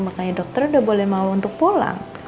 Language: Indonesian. makanya dokter udah boleh mau untuk pulang